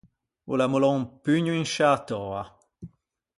O l’à mollou un pugno in sciâ töa.